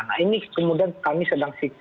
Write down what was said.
nah ini kemudian kami sedang